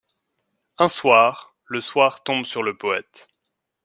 Un soir, le soir tombe sur le poète.